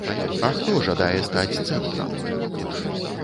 А хто жадае стаць цэнтрам?